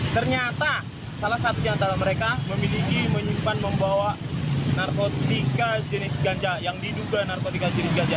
ternyata salah satunya antara mereka memiliki menyimpan membawa narkotika jenis ganja yang diduga narkotika jenis ganja